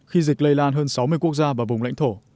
khi dịch lây lan hơn sáu mươi quốc gia và vùng lãnh thổ